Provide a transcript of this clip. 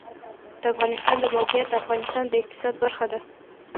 د افغانستان د موقعیت د افغانستان د اقتصاد برخه ده.